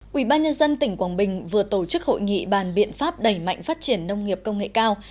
quỹ ban nhân dân tỉnh quảng bình vừa tổ chức hội nghị bàn biện pháp đẩy mạnh phát triển nông nghiệp công nghệ cao